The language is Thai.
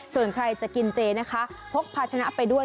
ส่วนใครจะกินเจนะคะพกพาชนะไปด้วย